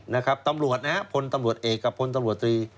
นะครับตำรวจนะฮะพลตำรวจเอกกับพลตำรวจตรี